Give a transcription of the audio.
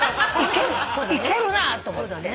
いけるなと思って。